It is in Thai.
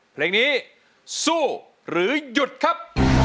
เพลงนี้สู้หรือหยุดครับ